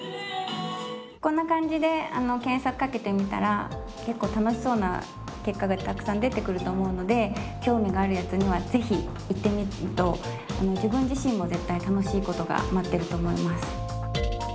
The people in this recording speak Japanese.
こんな感じで検索かけてみたら結構楽しそうな結果がたくさん出てくると思うので興味があるやつにはぜひ行ってみると自分自身も絶対楽しいことが待ってると思います。